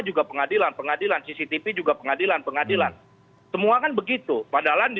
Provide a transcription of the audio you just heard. juga pengadilan pengadilan cctv juga pengadilan pengadilan semua kan begitu padahal di